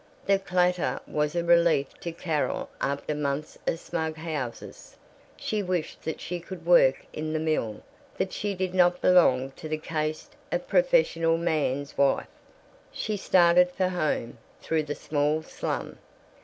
The clatter was a relief to Carol after months of smug houses. She wished that she could work in the mill; that she did not belong to the caste of professional man's wife. She started for home, through the small slum.